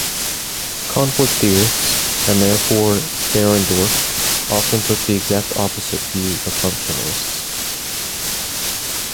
Conflict theorists, and therefore Dahrendorf, often took the exact opposite view of functionalists.